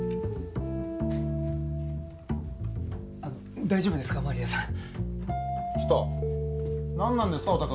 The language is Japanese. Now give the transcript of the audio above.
あの大丈夫ですか？